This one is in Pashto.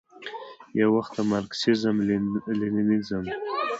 یووخت د مارکسیزم، لیننزم،